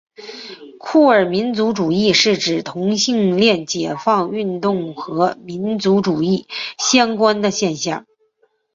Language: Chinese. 酷儿民族主义是指同性恋解放运动和民族主义相关的现象。